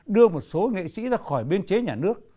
đưa một số nghệ sĩ ra khỏi biên chế nhà nước